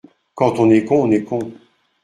Quand on est con, on est con !